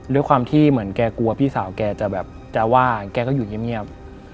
ด้วยความที่เหมือนแกกลัวพี่สาวแกจะแบบจะว่างแกก็อยู่เงียบ